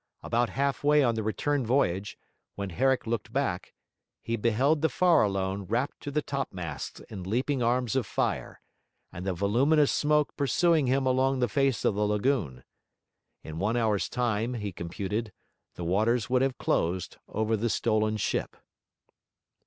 About half way on the return voyage, when Herrick looked back, he beheld the Farallone wrapped to the topmasts in leaping arms of fire, and the voluminous smoke pursuing him along the face of the lagoon. In one hour's time, he computed, the waters would have closed over the stolen ship.